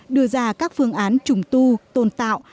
đưa ra các phương án trùng tu tôn tạo